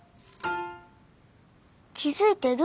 気付いてる？